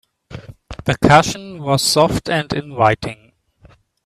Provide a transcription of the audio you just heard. The cushion was soft and inviting.